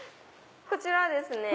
こちらはですね